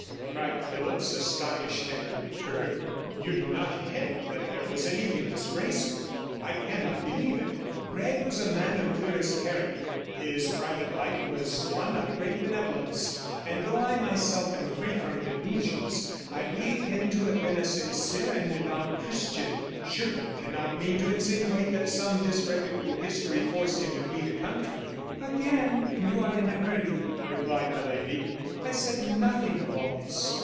cried Phillipps, astonished and perturbed. 'You do not hint that there was anything disgraceful? I cannot believe it. Gregg was a man of clearest character; his private life was one of great benevolence; and though I myself am free from delusions, I believe him to have been a sincere and devout Christian. Surely you cannot mean to insinuate that some disreputable history forced him to flee the country?' 'Again you are in a hurry,' replied the lady. 'I said nothing of all this.